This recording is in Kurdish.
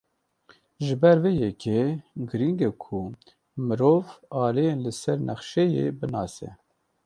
Ji ber vê yekê, giring e ku mirov aliyan li ser nexşeyê binase.